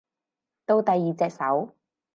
到第二隻手